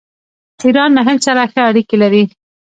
ایران له هند سره ښه اړیکې لري.